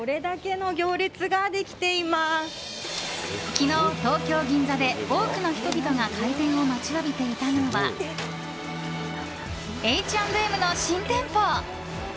昨日、東京・銀座で多くの人々が開店を待ちわびていたのはＨ＆Ｍの新店舗。